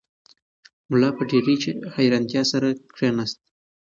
ملا په ډېرې حیرانتیا سره کښېناست.